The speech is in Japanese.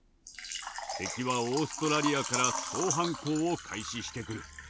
敵はオーストラリアから総反攻を開始してくる。